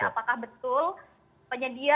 apakah betul penyedia